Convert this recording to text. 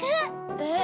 えっ？